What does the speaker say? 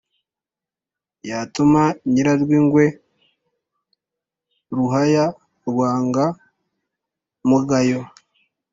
yatuma nyirarwingwe ruhaya rwanga-mugayo,